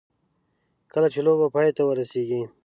کله چې لوبه پای ته ورسېږي.